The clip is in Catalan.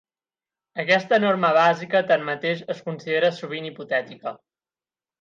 Aquesta "norma bàsica", tanmateix, es considera sovint hipotètica.